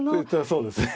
そうですね。